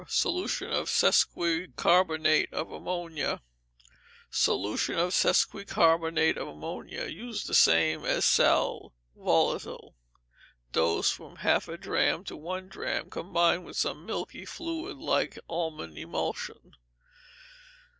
Solution of Sesoquicarbonate of Ammonia, Solution of Sesoquicarbonate of Ammonia, used the same as sal volatile. Dose, from half a drachm to one drachm, combined with some milky fluid, like almond emulsion.